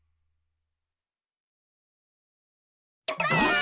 ばあっ！